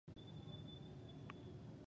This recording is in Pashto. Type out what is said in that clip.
افغانستان د سیلانی ځایونه کوربه دی.